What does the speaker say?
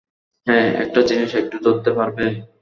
হেই, একটা জিনিস একটু ধরতে পারবে?